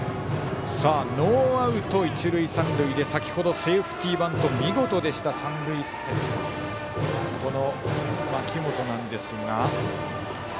ノーアウト一塁三塁で先ほどセーフティーバント見事でしたこの槇本ですが。